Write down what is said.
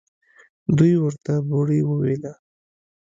دوى ورته بوړۍ ويله.